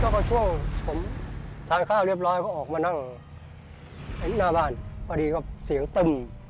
พอดีมันก็เสียงต้ม